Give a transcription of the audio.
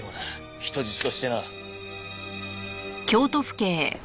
人質としてな。